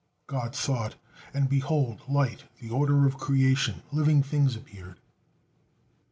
God thought: and behold! light, the order of creation, living things, appeared.